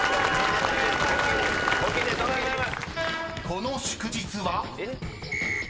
［この祝日は？］